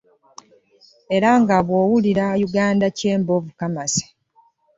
Era nga bw'owulira ‘Uganda Chamber of Commerce.'